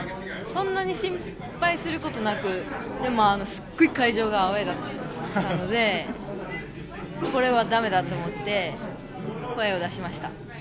そんなに心配することなくでも会場がすごいアウェーだったのでこれは駄目だと思って声を出しました。